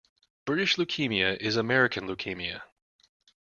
British leukaemia is American leukemia.